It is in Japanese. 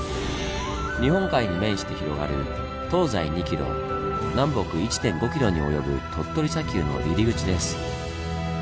日本海に面して広がる東西２ｋｍ南北１．５ｋｍに及ぶ鳥取砂丘の入り口です。